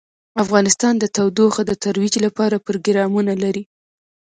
افغانستان د تودوخه د ترویج لپاره پروګرامونه لري.